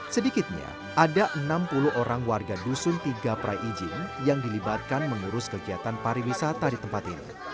sedikitnya ada enam puluh orang warga dusun tiga prai ijin yang dilibatkan mengurus kegiatan pariwisata di tempat ini